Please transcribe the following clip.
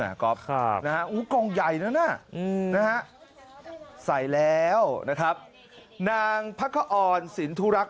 ก๊อฟครับนะฮะกล่องใหญ่นั้นน่ะอืมนะฮะใส่แล้วนะครับนางพักคอนสินทุรักษ